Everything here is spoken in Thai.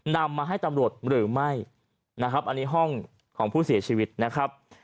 นำมาให้ตำรวจหรือไม่นะครับอันนี้ห้องของผู้เสียชีวิตนะครับ